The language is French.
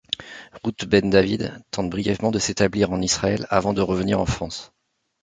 Ruth Ben-David tente brièvement de s’établir en Israël avant de revenir en France.